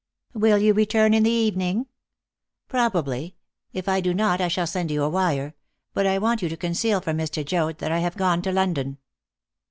"Will you return in the evening?" "Probably. If I do not, I shall send you a wire. But I want you to conceal from Mr. Joad that I have gone to London."